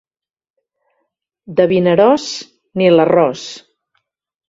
De Vinaròs, ni l'arròs.